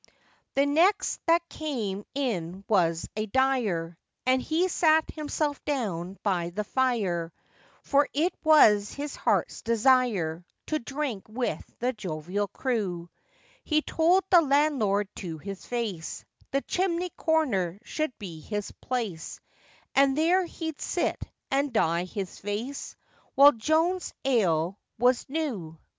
The next that came in was a dyer, And he sat himself down by the fire, For it was his heart's desire To drink with the jovial crew: He told the landlord to his face, The chimney corner should be his place, And there he'd sit and dye his face, While Joan's ale was new.